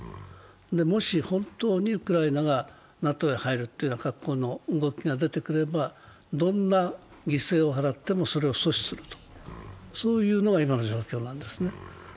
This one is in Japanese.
もし本当にウクライナがＮＡＴＯに入る格好の動きが出てくればどんな犠牲を払っても、それを阻止するという、そういうのが今の状況なんですね。